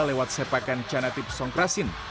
lewat sepakan canatip songkrasin